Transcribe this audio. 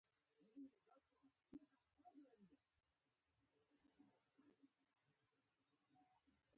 د دې سره به ئې د ملا پټې قوي شي